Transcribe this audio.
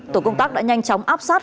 tổ công tác đã nhanh chóng áp sát